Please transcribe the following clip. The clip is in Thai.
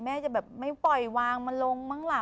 แม่จะแบบไม่ปล่อยวางมาลงมั้งล่ะ